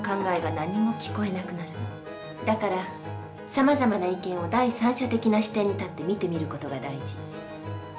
だからさまざまな意見を第三者的な視点に立って見てみる事が大事。